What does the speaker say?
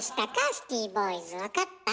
シティボーイズ分かった？